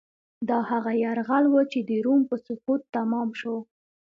دا هغه یرغل و چې د روم په سقوط تمام شو.